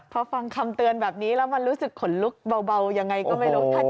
พอฟังคำเตือนแบบนี้แล้วมันรู้สึกขนลุกเบายังไงก็ไม่รู้